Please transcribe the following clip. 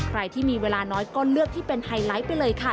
ใครที่มีเวลาน้อยก็เลือกที่เป็นไฮไลท์ไปเลยค่ะ